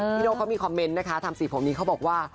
พี่โนเค้ามีคอมเม้นต์นะคะทำสีผมนี้เค้าบอกว่า